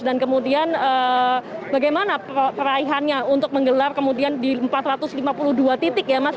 dan kemudian bagaimana peraihannya untuk menggelar kemudian di empat ratus lima puluh dua titik ya mas